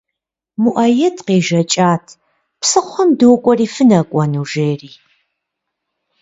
Муаед къежэкӏат «Псыхъуэм докӏуэри, фынэкӏуэну?» жери.